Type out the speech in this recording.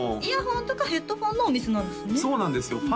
イヤホンとかヘッドホンのお店なんですね？